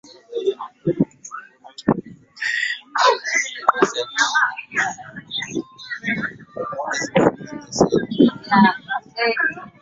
zikiwa hatarini kukumbwa na tsunami hiyo